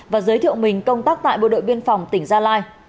và giới thiệu mình công tác tại bộ đội biên phòng tỉnh gia lai